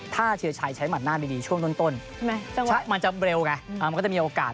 ถ้าเทียชัยใช้หัดหน้าไม่ดีช่วงต้นมันจะเร็วไงมันก็จะมีโอกาส